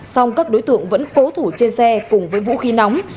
song các đối tượng vẫn cố thủ trên xe cùng với vũ khí nóng